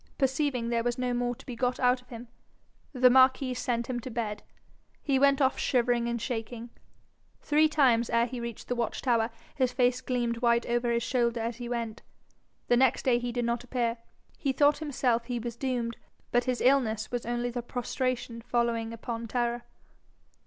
Perceiving there was no more to be got out of him, the marquis sent him to bed. He went off shivering and shaking. Three times ere he reached the watch tower his face gleamed white over his shoulder as he went. The next day he did not appear. He thought himself he was doomed, but his illness was only the prostration following upon terror.